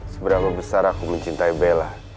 seberapa besar aku mencintai bella